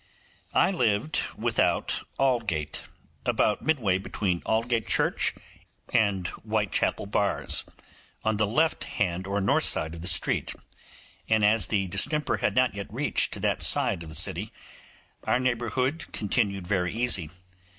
I lived without Aldgate, about midway between Aldgate Church and Whitechappel Bars, on the left hand or north side of the street; and as the distemper had not reached to that side of the city, our neighbourhood continued very easy.